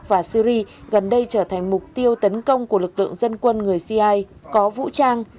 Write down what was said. và syri gần đây trở thành mục tiêu tấn công của lực lượng dân quân người cia có vũ trang